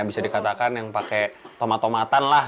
bisa dikatakan yang pakai tomat tomatan lah